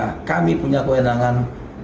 jadi kami punya kewenangan